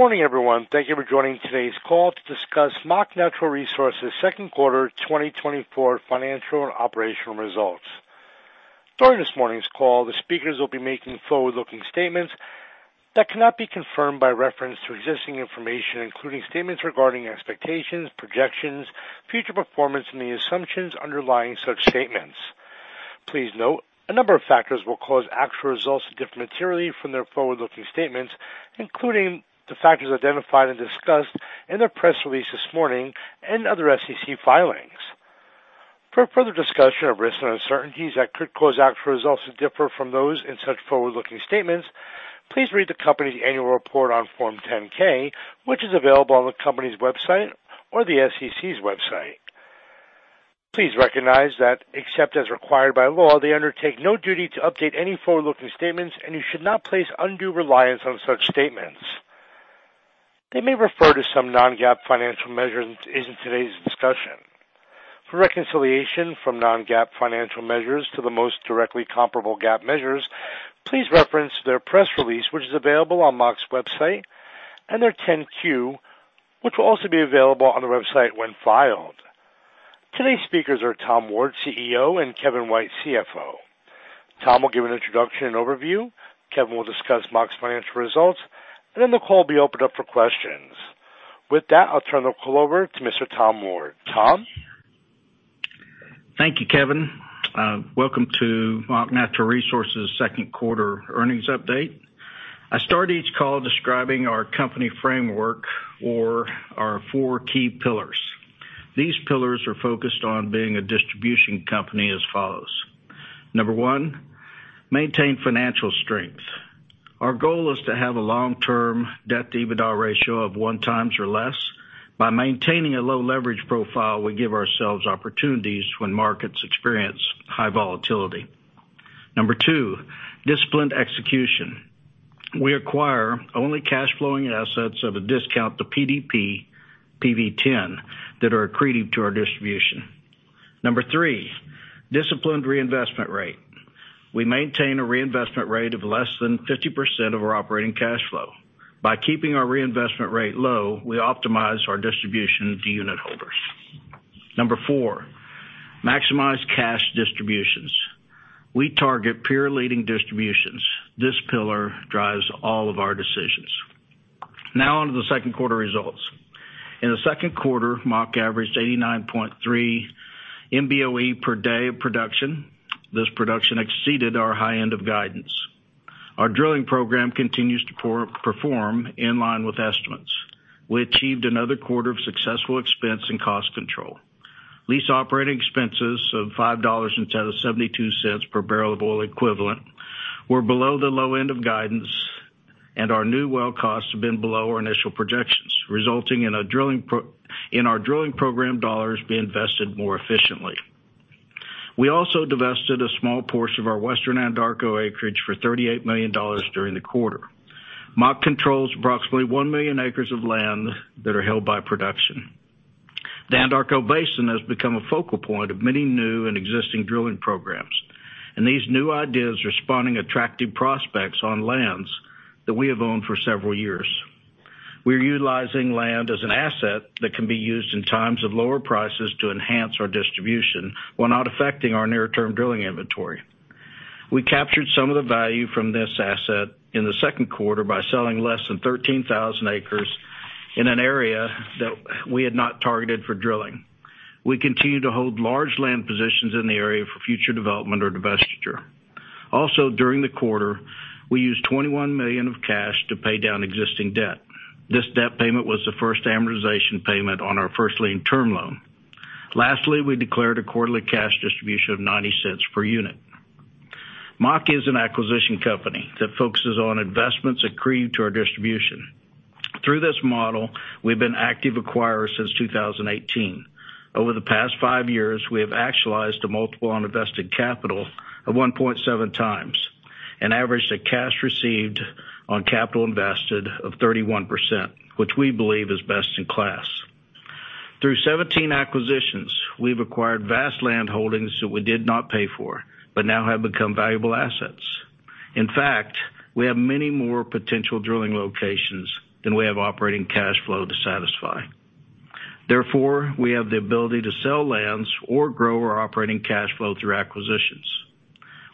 Good morning, everyone. Thank you for joining today's call to discuss Mach Natural Resources' second quarter 2024 financial and operational results. During this morning's call, the speakers will be making forward-looking statements that cannot be confirmed by reference to existing information, including statements regarding expectations, projections, future performance, and the assumptions underlying such statements. Please note, a number of factors will cause actual results to differ materially from their forward-looking statements, including the factors identified and discussed in their press release this morning and other SEC filings. For further discussion of risks and uncertainties that could cause actual results to differ from those in such forward-looking statements, please read the company's annual report on Form 10-K, which is available on the company's website or the SEC's website. Please recognize that, except as required by law, they undertake no duty to update any forward-looking statements, and you should not place undue reliance on such statements. They may refer to some non-GAAP financial measures in today's discussion. For reconciliation from non-GAAP financial measures to the most directly comparable GAAP measures, please reference their press release, which is available on Mach's website, and their 10-Q, which will also be available on the website when filed. Today's speakers are Tom Ward, CEO, and Kevin White, CFO. Tom will give an introduction and overview. Kevin will discuss Mach's financial results, and then the call will be opened up for questions. With that, I'll turn the call over to Mr. Tom Ward. Tom? Thank you, Kevin. Welcome to Mach Natural Resources' second quarter earnings update. I start each call describing our company framework or our four key pillars. These pillars are focused on being a distribution company as follows: Number one, maintain financial strength. Our goal is to have a long-term debt-to-EBITDA ratio of 1x or less. By maintaining a low leverage profile, we give ourselves opportunities when markets experience high volatility. Number number, disciplined execution. We acquire only cash flowing assets of a discount to PDP PV-10 that are accretive to our distribution. Number three, disciplined reinvestment rate. We maintain a reinvestment rate of less than 50% of our operating cash flow. By keeping our reinvestment rate low, we optimize our distribution to unitholders. Number four, maximize cash distributions. We target peer-leading distributions. This pillar drives all of our decisions. Now, on to the second quarter results. In the second quarter, Mach averaged 89.3 MBOE per day of production. This production exceeded our high end of guidance. Our drilling program continues to perform in line with estimates. We achieved another quarter of successful expense and cost control. Lease operating expenses of $5.72 per barrel of oil equivalent were below the low end of guidance, and our new well costs have been below our initial projections, resulting in our drilling program dollars being invested more efficiently. We also divested a small portion of our Western Anadarko acreage for $38 million during the quarter. Mach controls approximately one million acres of land that are held by production. The Anadarko Basin has become a focal point of many new and existing drilling programs, and these new ideas are spawning attractive prospects on lands that we have owned for several years. We're utilizing land as an asset that can be used in times of lower prices to enhance our distribution, while not affecting our near-term drilling inventory. We captured some of the value from this asset in the second quarter by selling less than 13,000 acres in an area that we had not targeted for drilling. We continue to hold large land positions in the area for future development or divestiture. Also, during the quarter, we used $21 million of cash to pay down existing debt. This debt payment was the first amortization payment on our first lien term loan. Lastly, we declared a quarterly cash distribution of $0.90 per unit. Mach is an acquisition company that focuses on investments accretive to our distribution. Through this model, we've been active acquirers since 2018. Over the past five years, we have actualized a multiple on invested capital of 1.7x, an average of cash received on capital invested of 31%, which we believe is best in class. Through 17 acquisitions, we've acquired vast land holdings that we did not pay for, but now have become valuable assets. In fact, we have many more potential drilling locations than we have operating cash flow to satisfy. Therefore, we have the ability to sell lands or grow our operating cash flow through acquisitions.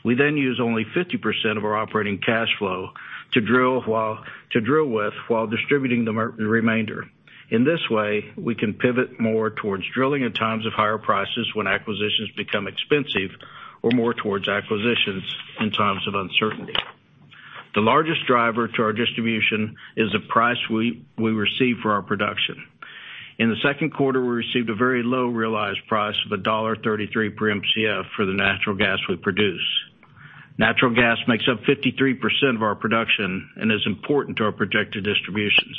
We then use only 50% of our operating cash flow to drill with, while distributing the remainder. In this way, we can pivot more towards drilling in times of higher prices when acquisitions become expensive or more towards acquisitions in times of uncertainty. The largest driver to our distribution is the price we receive for our production. In the second quarter, we received a very low realized price of $1.33 per Mcf for the natural gas we produce. Natural gas makes up 53% of our production and is important to our projected distributions.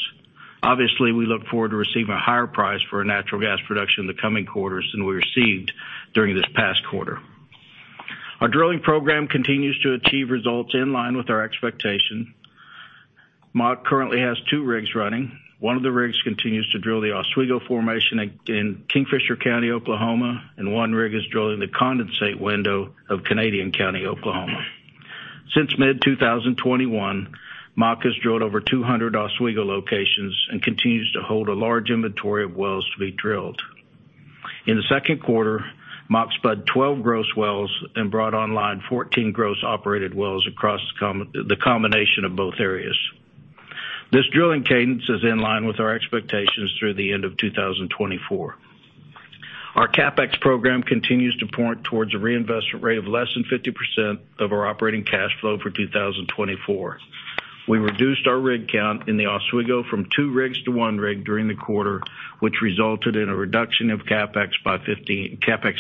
Obviously, we look forward to receiving a higher price for our natural gas production in the coming quarters than we received during this past quarter. Our drilling program continues to achieve results in line with our expectation. Mach currently has two rigs running. One of the rigs continues to drill the Oswego Formation in Kingfisher County, Oklahoma, and one rig is drilling the condensate window of Canadian County, Oklahoma. Since mid-2021, Mach has drilled over 200 Oswego locations and continues to hold a large inventory of wells to be drilled. In the second quarter, Mach spud 12 gross wells and brought online 14 gross operated wells across the combination of both areas. This drilling cadence is in line with our expectations through the end of 2024. Our CapEx program continues to point towards a reinvestment rate of less than 50% of our operating cash flow for 2024. We reduced our rig count in the Oswego from two rigs to one rig during the quarter, which resulted in a reduction of CapEx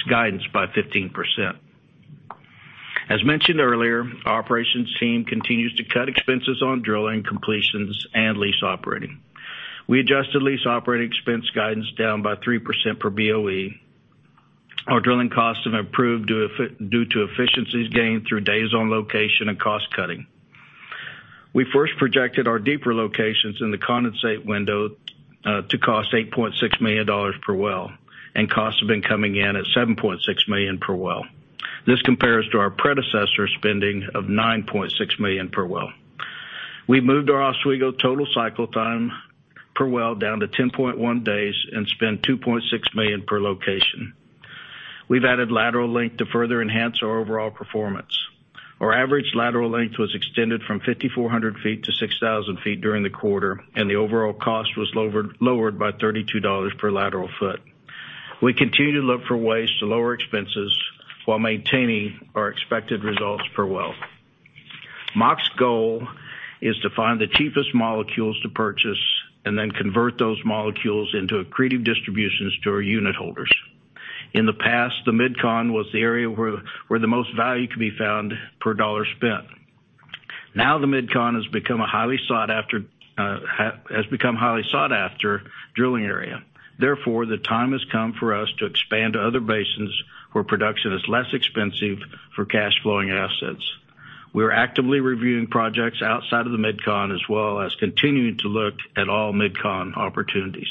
guidance by 15%. As mentioned earlier, our operations team continues to cut expenses on drilling, completions, and lease operating. We adjusted lease operating expense guidance down by 3% per BOE. Our drilling costs have improved due to efficiencies gained through days on location and cost cutting. We first projected our deeper locations in the condensate window to cost $8.6 million per well, and costs have been coming in at $7.6 million per well. This compares to our predecessor spending of $9.6 million per well. We've moved our Oswego total cycle time per well down to 10.1 days and spent $2.6 million per location. We've added lateral length to further enhance our overall performance. Our average lateral length was extended from 5,400 ft to 6,000 ft during the quarter, and the overall cost was lowered by $32 per lateral foot. We continue to look for ways to lower expenses while maintaining our expected results per well. Mach's goal is to find the cheapest molecules to purchase and then convert those molecules into accretive distributions to our unitholders. In the past, the MidCon was the area where the most value could be found per dollar spent. Now, the MidCon has become a highly sought after drilling area. Therefore, the time has come for us to expand to other basins where production is less expensive for cash flowing assets. We are actively reviewing projects outside of the MidCon, as well as continuing to look at all MidCon opportunities.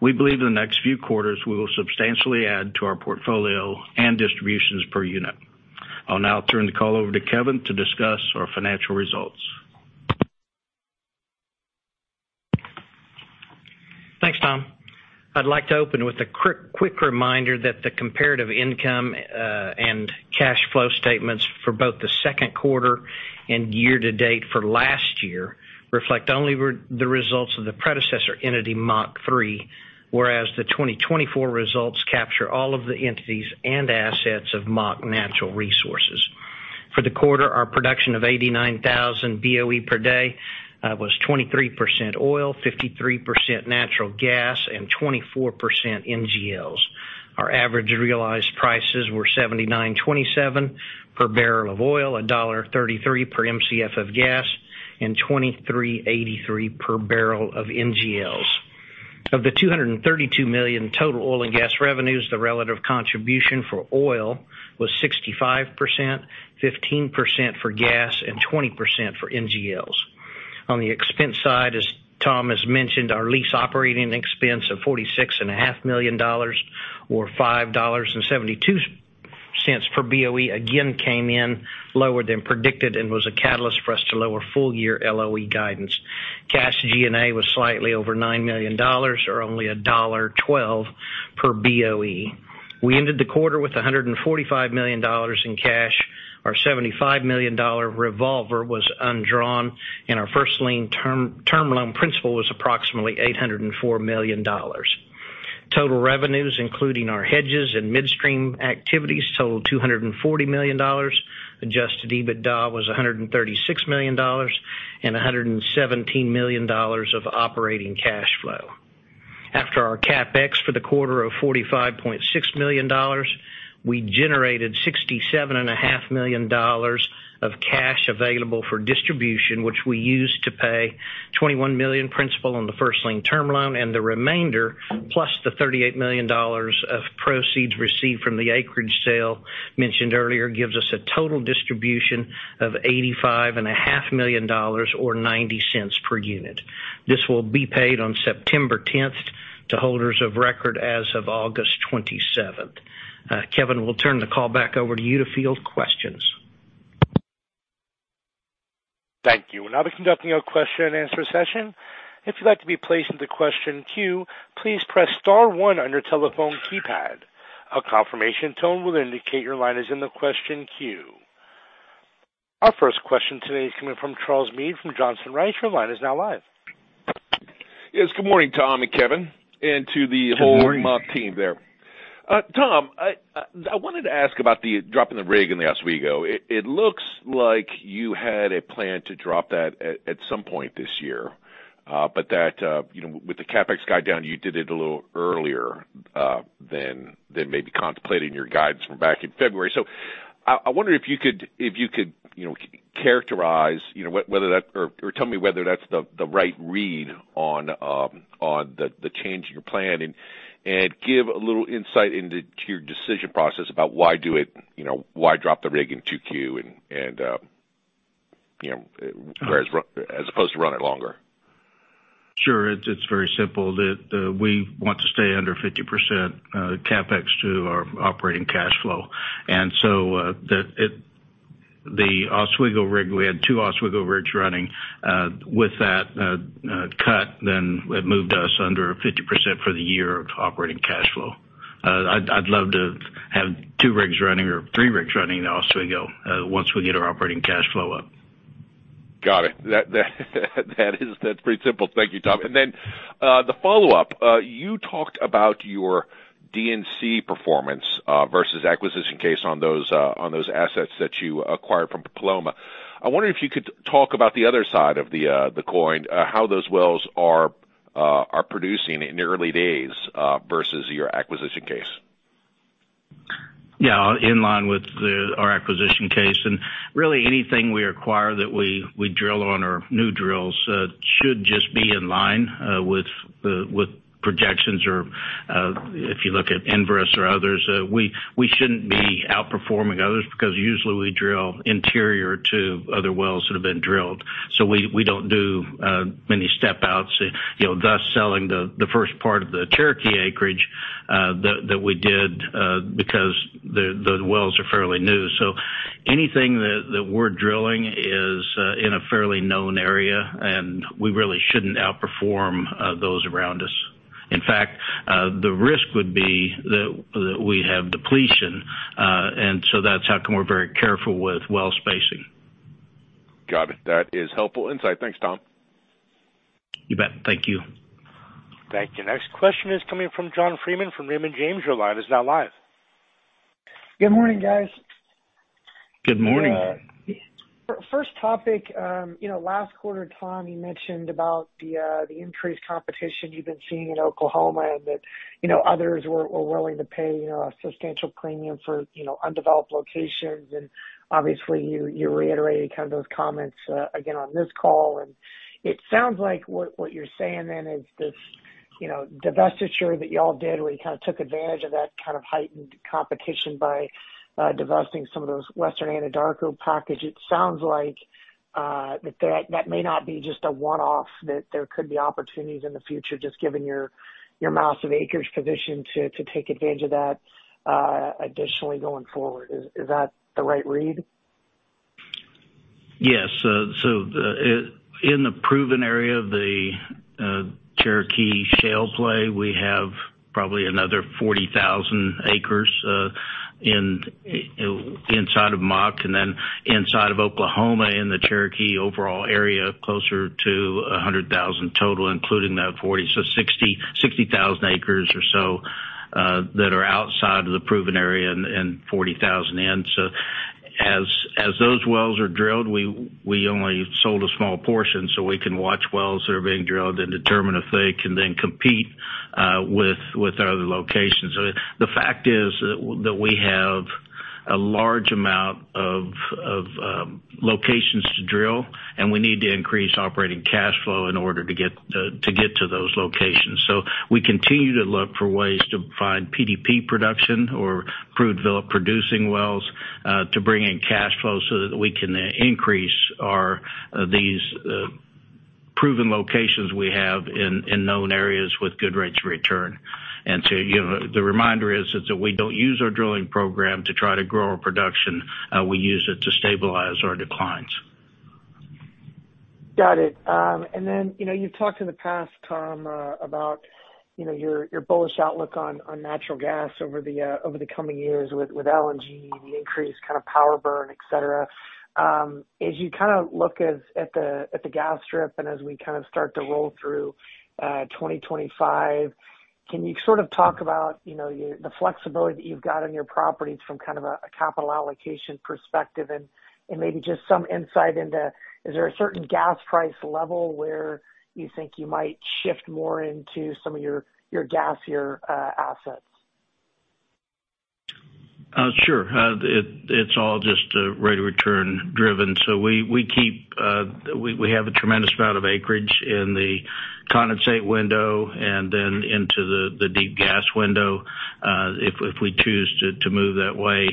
We believe in the next few quarters, we will substantially add to our portfolio and distributions per unit. I'll now turn the call over to Kevin to discuss our financial results. Thanks, Tom. I'd like to open with a quick reminder that the comparative income and cash flow statements for both the second quarter and year to date for last year reflect only the results of the predecessor entity, Mach III, whereas the 2024 results capture all of the entities and assets of Mach Natural Resources. For the quarter, our production of 89,000 BOE per day was 23% oil, 53% natural gas, and 24% NGLs. Our average realized prices were $79.27 per barrel of oil, $1.33 per Mcf of gas, and $23.83 per barrel of NGLs. Of the $232 million total oil and gas revenues, the relative contribution for oil was 65%, 15% for gas, and 20% for NGLs. On the expense side, as Tom has mentioned, our lease operating expense of $46.5 million, or $5.72 per BOE, again, came in lower than predicted and was a catalyst for us to lower full year LOE guidance. Cash G&A was slightly over $9 million, or only $1.12 per BOE. We ended the quarter with $145 million in cash. Our $75 million revolver was undrawn, and our first lien term, term loan principal was approximately $804 million. Total revenues, including our hedges and midstream activities, totaled $240 million. Adjusted EBITDA was $136 million and $117 million of operating cash flow. After our CapEx for the quarter of $45.6 million, we generated $67.5 million of cash available for distribution, which we used to pay $21 million principal on the first lien term loan, and the remainder, plus the $38 million of proceeds received from the acreage sale mentioned earlier, gives us a total distribution of $85.5 million or $0.90 per unit. This will be paid on September tenth to holders of record as of August twenty-seventh. Kevin, we'll turn the call back over to you to field questions. Thank you. We'll now be conducting our question and answer session. If you'd like to be placed in the question queue, please press star one on your telephone keypad. A confirmation tone will indicate your line is in the question queue. Our first question today is coming from Charles Meade from Johnson Rice. Your line is now live. Yes, good morning, Tom and Kevin, and to the whole... Good morning. Mach team there. Tom, I wanted to ask about the drop in the rig in the Oswego. It looks like you had a plan to drop that at some point this year, but that, you know, with the CapEx guide down, you did it a little earlier than maybe contemplating your guidance from back in February. So I wonder if you could, you know, characterize, you know, whether that or tell me whether that's the right read on the change in your plan, and give a little insight into your decision process about why do it, you know, why drop the rig in 2Q and, you know, as opposed to run it longer? Sure, it's very simple, that we want to stay under 50% CapEx to our operating cash flow. And so, the Oswego rig, we had 2 Oswego rigs running, with that cut, then it moved us under 50% for the year of operating cash flow. I'd love to have two rigs running or three rigs running in Oswego, once we get our operating cash flow up. Got it. That is, that's pretty simple. Thank you, Tom. And then, the follow-up, you talked about your D&C performance versus acquisition case on those assets that you acquired from Paloma. I wonder if you could talk about the other side of the coin, how those wells are producing in the early days versus your acquisition case? Yeah, in line with our acquisition case, and really anything we acquire that we drill on our new drills should just be in line with projections or if you look at Enverus or others, we shouldn't be outperforming others, because usually we drill interior to other wells that have been drilled. So we don't do many step outs, you know, thus selling the first part of the Cherokee acreage that we did because the wells are fairly new. So anything that we're drilling is in a fairly known area, and we really shouldn't outperform those around us. In fact, the risk would be that we have depletion, and so that's how come we're very careful with well spacing. Got it. That is helpful insight. Thanks, Tom. You bet. Thank you. Thank you. Next question is coming from John Freeman from Raymond James. Your line is now live. Good morning, guys. Good morning. First topic, you know, last quarter, Tom, you mentioned about the increased competition you've been seeing in Oklahoma, and that, you know, others were willing to pay, you know, a substantial premium for, you know, undeveloped locations. And obviously, you reiterated kind of those comments again on this call, and it sounds like what you're saying then is this, you know, divestiture that y'all did, where you kind of took advantage of that kind of heightened competition by divesting some of those Western Anadarko package, it sounds like that may not be just a one-off, that there could be opportunities in the future, just given your amount of acres position to take advantage of that additionally going forward. Is that the right read? Yes. So in the proven area of the Cherokee Shale play, we have probably another 40,000 acres inside of Mach and then inside of Oklahoma, in the Cherokee overall area, closer to 100,000 total, including that 40,000 acres so 60,000 acres or so that are outside of the proven area and 40,000 in. So as those wells are drilled, we only sold a small portion, so we can watch wells that are being drilled and determine if they can then compete with our other locations. The fact is that we have a large amount of locations to drill, and we need to increase operating cash flow in order to get to those locations. So we continue to look for ways to find PDP production or proved producing wells, to bring in cash flow so that we can increase our, these, proven locations we have in known areas with good rates of return. And to, you know, the reminder is that we don't use our drilling program to try to grow our production. We use it to stabilize our declines. Got it. And then, you know, you've talked in the past, Tom, about, you know, your, your bullish outlook on, on natural gas over the, over the coming years with, with LNG, the increased kind of power burn, et cetera. As you kind of look at, at the, at the gas strip, and as we kind of start to roll through, 2025, can you sort of talk about, you know, your, the flexibility you've got on your properties from kind of a, a capital allocation perspective? And, and maybe just some insight into, is there a certain gas price level where you think you might shift more into some of your, your gassier, assets? Sure. It's all just rate of return driven. So we have a tremendous amount of acreage in the condensate window and then into the deep gas window, if we choose to move that way.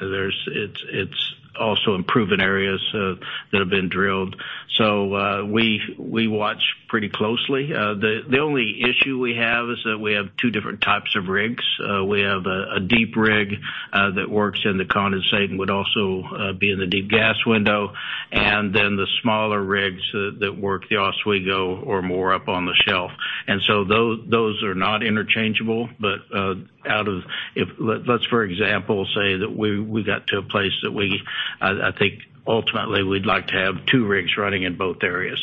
It's also in proven areas that have been drilled. So we watch pretty closely. The only issue we have is that we have two different types of rigs. We have a deep rig that works in the condensate and would also be in the deep gas window, and then the smaller rigs that work the Oswego or more up on the shelf. And so those are not interchangeable, but out of... Let's, for example, say that we got to a place that I think ultimately we'd like to have two rigs running in both areas.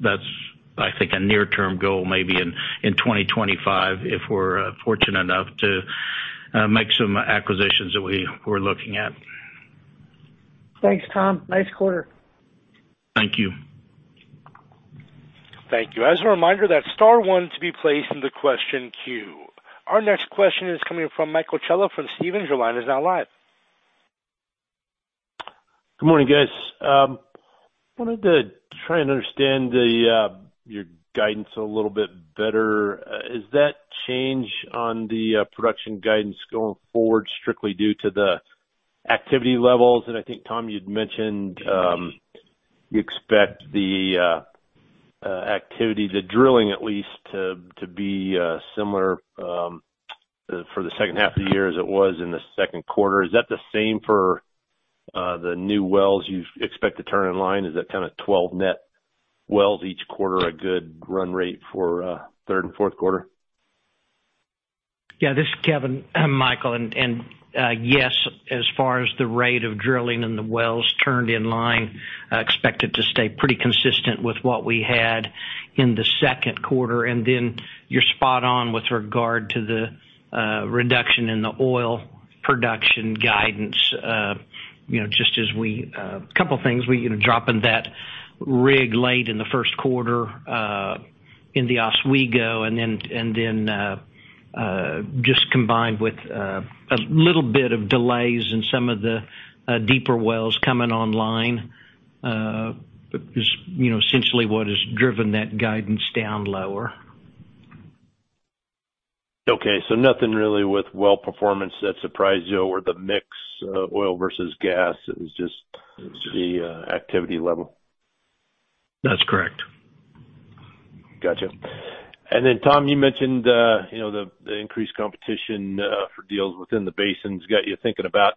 That's, I think, a near-term goal, maybe in 2025, if we're fortunate enough to make some acquisitions that we're looking at. Thanks, Tom. Nice quarter. Thank you. Thank you. As a reminder, that's star one to be placed in the question queue. Our next question is coming from Michael Scialla from Stephens. Your line is now live. Good morning, guys. Wanted to try and understand your guidance a little bit better. Is that change on the production guidance going forward strictly due to activity levels, and I think, Tom, you'd mentioned you expect the activity, the drilling at least, to be similar for the second half of the year as it was in the second quarter. Is that the same for the new wells you expect to turn in line? Is that kind of 12 net wells each quarter, a good run rate for third and fourth quarter? Yeah, this is Kevin, Michael, and yes, as far as the rate of drilling and the wells turned in line, expected to stay pretty consistent with what we had in the second quarter. And then you're spot on with regard to the reduction in the oil production guidance. You know, just as we—a couple of things, we, you know, dropping that rig late in the first quarter, in the Oswego, and then just combined with a little bit of delays in some of the deeper wells coming online, is, you know, essentially what has driven that guidance down lower. Okay, so nothing really with well performance that surprised you or the mix of oil versus gas. It was just the activity level. That's correct. Gotcha. And then, Tom, you mentioned, you know, the increased competition for deals within the basins got you thinking about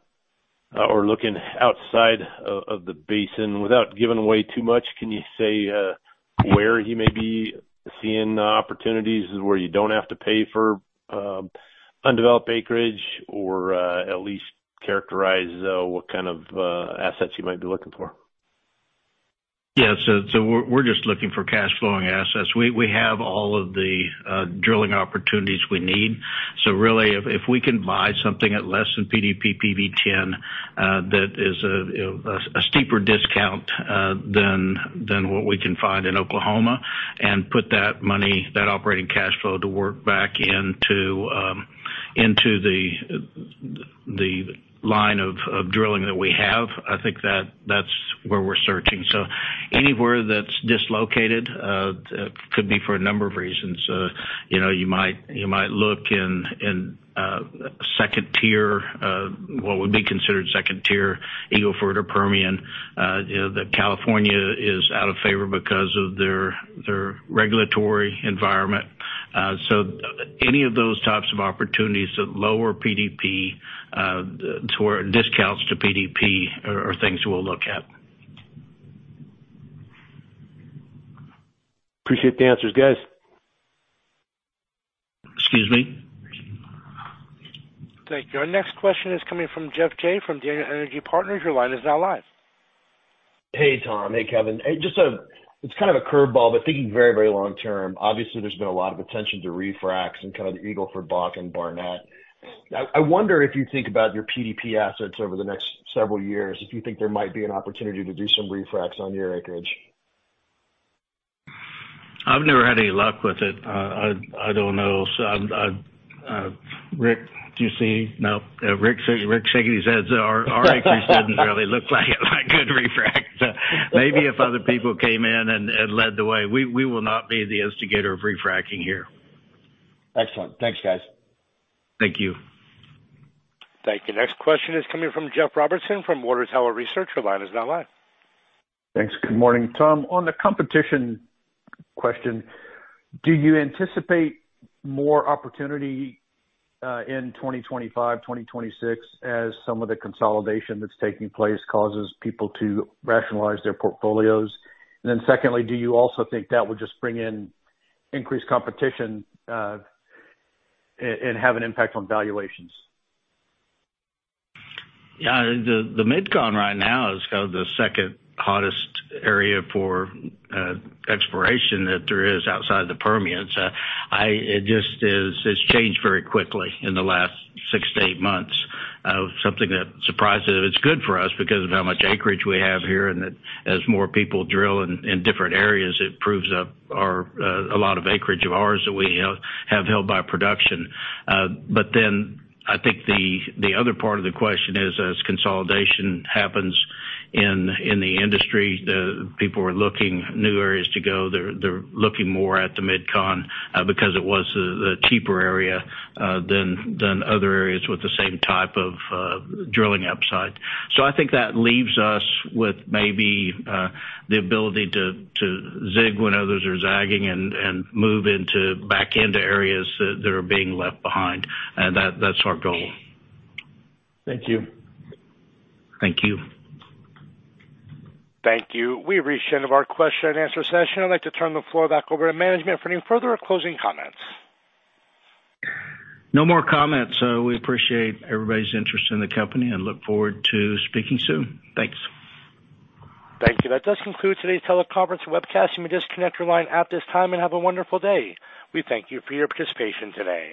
or looking outside of the basin. Without giving away too much, can you say where you may be seeing opportunities where you don't have to pay for undeveloped acreage or at least characterize what kind of assets you might be looking for? Yeah, so we're just looking for cash flowing assets. We have all of the drilling opportunities we need. So really, if we can buy something at less than PDP PV-10, that is a steeper discount than what we can find in Oklahoma and put that money, that operating cash flow to work back into, into the line of drilling that we have. I think that's where we're searching. So anywhere that's dislocated could be for a number of reasons. You know, you might look in second tier, what would be considered second tier Eagle Ford or Permian. You know, California is out of favor because of their regulatory environment. So any of those types of opportunities at lower PDP toward discounts to PDP are things we'll look at. Appreciate the answers, guys. Excuse me. Thank you. Our next question is coming from Geoff Jay, from Daniel Energy Partners. Your line is now live. Hey, Tom. Hey, Kevin. It's kind of a curveball, but thinking very, very long term, obviously, there's been a lot of attention to refracs in kind of the Eagle Ford, Bakken, Barnett. I wonder if you think about your PDP assets over the next several years, if you think there might be an opportunity to do some refracs on your acreage? I've never had any luck with it. I don't know. So, Rick, do you see? No. Rick, Rick's shaking his head. So our acreage doesn't really look like it might good refrac. Maybe if other people came in and led the way, we will not be the instigator of refracking here. Excellent. Thanks, guys. Thank you. Thank you. Next question is coming from Jeff Robertson, from Water Tower Research. Your line is now live. Thanks. Good morning, Tom. On the competition question, do you anticipate more opportunity in 2025, 2026, as some of the consolidation that's taking place causes people to rationalize their portfolios? And then secondly, do you also think that would just bring in increased competition and have an impact on valuations? Yeah, the Mid-Con right now is kind of the second hottest area for exploration that there is outside the Permian. So it just is, it's changed very quickly in the last six-eight months. Something that surprises us. It's good for us because of how much acreage we have here, and that as more people drill in different areas, it proves up our a lot of acreage of ours that we have held by production. But then I think the other part of the question is, as consolidation happens in the industry, the people are looking new areas to go. They're looking more at the Mid-Con because it was the cheaper area than other areas with the same type of drilling upside. So I think that leaves us with maybe the ability to zig when others are zagging and move back into areas that are being left behind. And that's our goal. Thank you. Thank you. Thank you. We've reached the end of our question and answer session. I'd like to turn the floor back over to management for any further closing comments. No more comments. We appreciate everybody's interest in the company and look forward to speaking soon. Thanks. Thank you. That does conclude today's teleconference webcast. You may disconnect your line at this time and have a wonderful day. We thank you for your participation today.